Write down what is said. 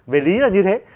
về lý là như thế